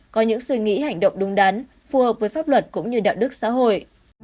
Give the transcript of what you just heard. có những suy nghĩ hành động đúng đắn phù hợp với pháp luật cũng như đạo đức xã hội